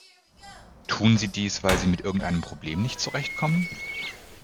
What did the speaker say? Tun sie dies, weil sie mit irgendeinem Problem nicht zurechtkommen?